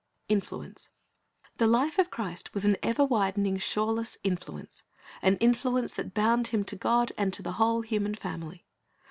INFLUENCE The life of Christ was an ever widening, shoreless influence, an influence that bound Him to God and to the whole human family.